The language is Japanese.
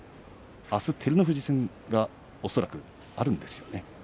あす照ノ富士戦がおそらくあるんですよね。